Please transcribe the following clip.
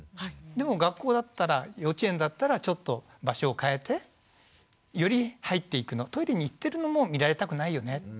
でも学校だったら幼稚園だったらちょっと場所を変えてより入っていくのトイレに行ってるのも見られたくないよね。